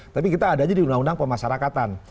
tapi kita adanya di undang undang pemasarakatan